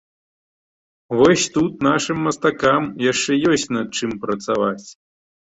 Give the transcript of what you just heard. Вось тут нашым мастакам яшчэ ёсць над чым працаваць.